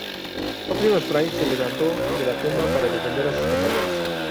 Optimus Prime se levantó de la tumba para defender a sus compañeros.